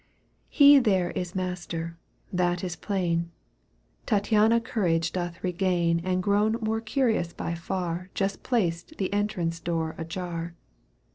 He there is master— that is plain ; Tattiana courage doth regain And grown more curious by far Just placed the entrance door ajar.